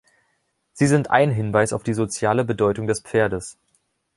Sie sind ein Hinweis auf die soziale Bedeutung des Pferdes.